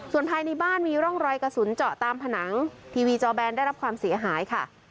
ส่วนภายในบ้านมีร่องรอยกระสุนเจาะตามผนังทีวีจอแบนได้รับความเสียหายค่ะ